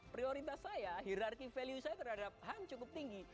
prioritas saya hirarki value saya terhadap ham cukup tinggi